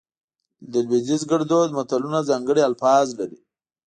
د لودیز ګړدود متلونه ځانګړي الفاظ لري